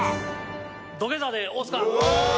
土下座で大須賀。